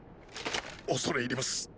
恐れ入ります。